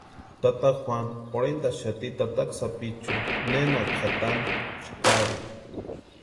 Tata Juanu jorhentaxati tataka sapichuni nena kʼatani chakri.